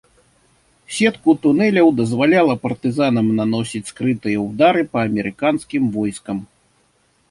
Сетку тунэляў дазваляла партызанам наносіць скрытыя ўдары па амерыканскім войскам.